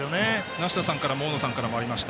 梨田さんからも大野さんからもありました。